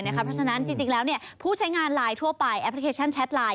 เพราะฉะนั้นจริงแล้วผู้ใช้งานไลน์ทั่วไปแอปพลิเคชันแชทไลน